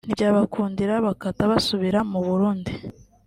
ntibyabakundira bakata basubira mu Burundi